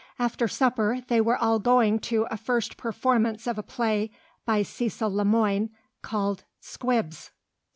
After supper they were all going to a first performance of a play by Cecil Le Moine, called "Squibs."